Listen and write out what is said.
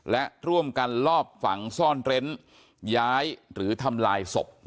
และร่วมกันลอบฝังซ่อนเร้นย้ายหรือทำลายศพ